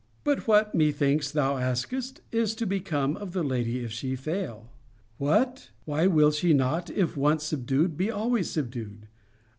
But what, methinks thou askest, is to become of the lady if she fail? What? Why will she not, 'if once subdued, be always subdued?'